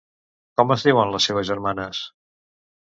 Com es diuen les seves germanes?